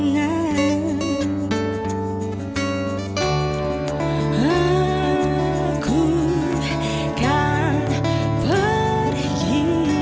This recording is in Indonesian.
terbenar aku kan pergi